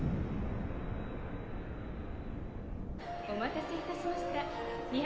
「お待たせいたしました。